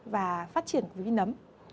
và phát triển của vi nấm